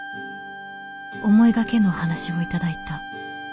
思いがけぬお話を頂いた」。